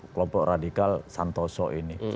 kelompok radikal santoso ini